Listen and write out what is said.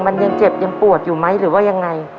มันยังเจ็บยังปวดอยู่ไหมหรือว่ายังไง